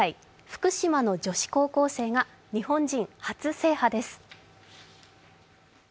福島の女子高校生が日本人初制覇です。